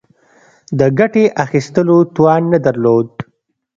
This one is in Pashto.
د ګټې اخیستلو توان نه درلود.